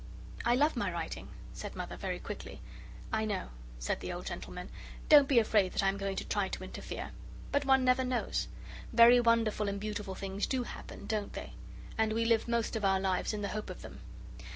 "I love my writing," said Mother, very quickly. "I know," said the old gentleman; "don't be afraid that I'm going to try to interfere. But one never knows. Very wonderful and beautiful things do happen, don't they? And we live most of our lives in the hope of them.